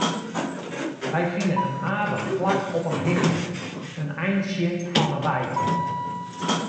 Wy fine in aardich plak op in hichte, in eintsje fan 'e wei ôf.